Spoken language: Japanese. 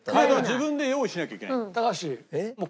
自分で用意しなきゃいけない。